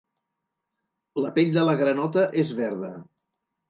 La pell de la granota és verda.